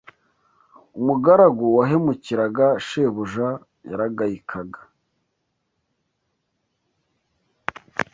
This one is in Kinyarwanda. umugaragu wahemukiraga shebuja yaragayikaga